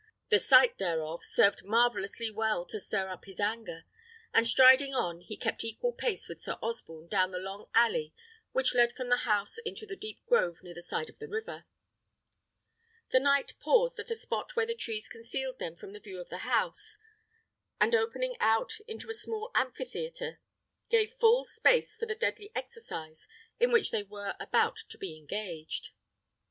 The sight, thereof, served marvellously well to stir up his anger; and striding on, he kept equal pace with Sir Osborne down the long alley which led from the house into a deep grove near the side of the river. The knight paused at a spot where the trees concealed them from the view of the house, and opening out into a small amphitheatre, gave full space for the deadly exercise in which they were about to be engaged.